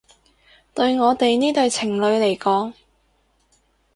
對我哋呢對情侶嚟講